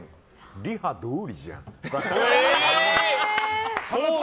リハどおりじゃんとか。